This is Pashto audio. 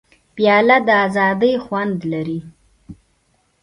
پیاله د ازادۍ خوند لري.